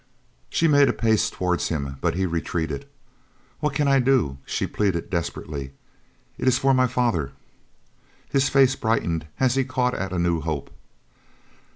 She made a pace towards him, but he retreated. "What can I do?" she pleaded desperately. "It is for my father " His face brightened as he caught at a new hope.